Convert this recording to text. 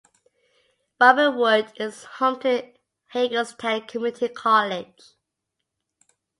Robinwood is home to Hagerstown Community College.